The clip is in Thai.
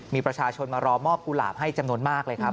มีประชาชนมารอมอบกุหลาบให้จำนวนมากเลยครับ